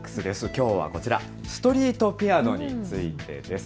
きょうはこちら、ストリートピアノについてです。